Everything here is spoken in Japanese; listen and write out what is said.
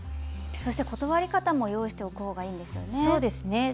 断り方も用意しておくほうがいいんですよね。